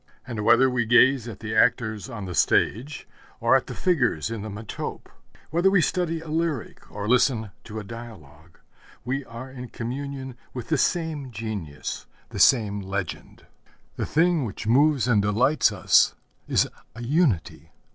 And whether we gaze at the actors on the stage or at the figures in the metope, whether we study a lyric or listen to a dialogue, we are in communion with the same genius, the same legend. The thing which moves and delights us is a unity.